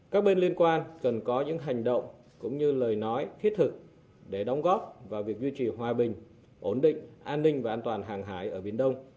các bên liên quan cần có những hành động cũng như lời nói thiết thực để đóng góp vào việc duy trì hòa bình ổn định an ninh và an toàn hàng hải ở biển đông